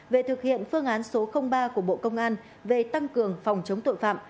về thực hiện phương án số ba của bộ công an về tăng cường phòng chống tội phạm